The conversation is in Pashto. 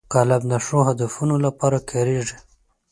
قلم د ښو هدفونو لپاره کارېږي